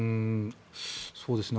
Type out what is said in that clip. そうですね。